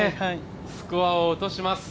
スコアを落とします。